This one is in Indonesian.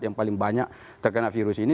yang paling banyak terkena virus ini